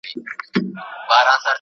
بس همدا د زورورو عدالت دی ..